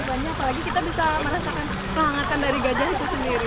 apalagi kita bisa merasakan kehangatan dari gajah itu sendiri